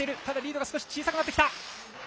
ただリードが少し小さくなってきた。